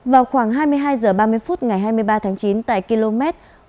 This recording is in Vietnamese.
vào khoảng hai mươi hai h ba mươi phút ngày hai mươi ba tháng chín tại km một trăm bảy mươi một